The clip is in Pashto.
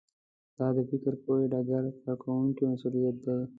دا د فکر پوهې ډګر کارکوونکو مسوولیت دی